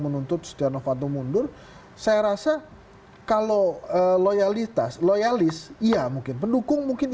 menuntut setia novanto mundur saya rasa kalau loyalitas loyalis iya mungkin pendukung mungkin